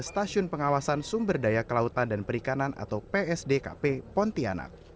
stasiun pengawasan sumber daya kelautan dan perikanan atau psdkp pontianak